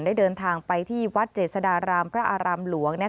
ได้เดินทางไปที่วัดเจษฎารามพระอารามหลวง